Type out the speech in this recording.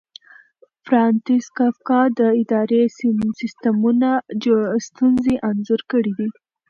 فرانتس کافکا د اداري سیسټمونو ستونزې انځور کړې دي.